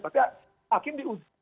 pak akin di uji